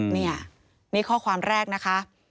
นี่นี่ข้อความแรกนะคะ